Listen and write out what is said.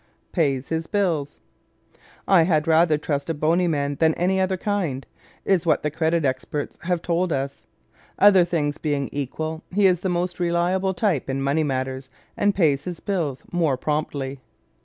Pays His Bills ¶ "I had rather trust a bony man than any other kind," is what the credit experts have told us. "Other things being equal, he is the most reliable type in money matters, and pays his bills more promptly."